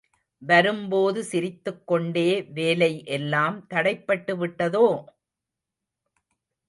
வரும்போது சிரித்துக்கொண்டே வேலை எல்லாம் தடைப்பட்டுவிட்டதோ?